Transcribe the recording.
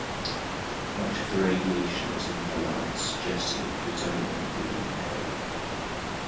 Much of the radiation was in her lungs, suggesting that plutonium had been inhaled.